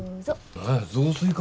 何や雑炊か。